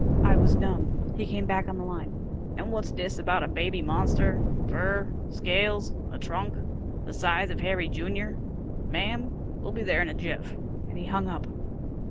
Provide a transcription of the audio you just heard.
I was numb. He came back on the line. "And what's dis about a baby monster? Fur? Scales? A trunk? The size of Harry, Jr.? Ma'am, we'll be there in a jiff," and he hung up.